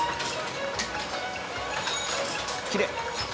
きれい！